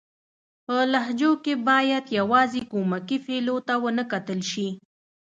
په لهجو کښي بايد يوازي کومکي فعلو ته و نه کتل سي.